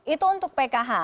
itu untuk pkh